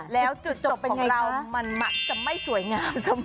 แล้วจุดจบของเรามันมักจะไม่สวยงามเสมอ